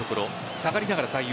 下がりながら対応。